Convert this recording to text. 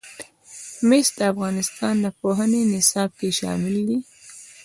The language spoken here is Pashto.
مس د افغانستان د پوهنې نصاب کې شامل دي.